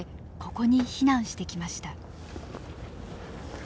ここに避難してきました。